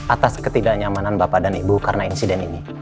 atas ketidaknyamanan bapak dan ibu karena insiden ini